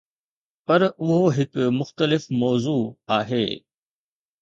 پر اهو هڪ مختلف موضوع آهي.